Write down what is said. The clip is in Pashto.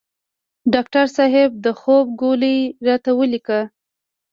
ډاکټر صیب د خوب ګولۍ راته ولیکه